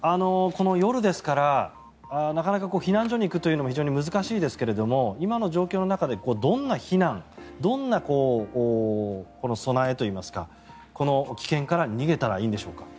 この夜ですからなかなか避難所に行くというのも非常に難しいですが今の状況の中でどんな避難どんな備えといいますかこの危険から逃げたらいいんでしょうか。